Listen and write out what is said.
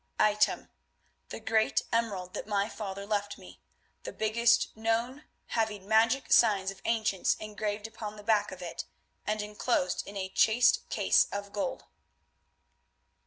"Item: The great emerald that my father left me, the biggest known, having magic signs of ancients engraved upon the back of it, and enclosed in a chased case of gold."